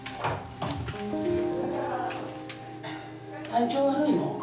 体調悪いの？